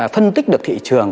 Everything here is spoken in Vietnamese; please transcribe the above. phân tích được thị trường